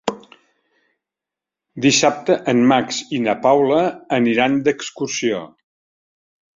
Dissabte en Max i na Paula aniran d'excursió.